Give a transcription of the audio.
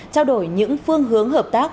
trao đổi những phương hướng hợp tác